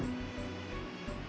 terserah mau lo pake apa enggak